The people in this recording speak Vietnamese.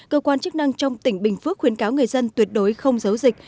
cơ quan chức năng trong tỉnh bình phước khuyến cáo người dân tuyệt đối không giấu dịch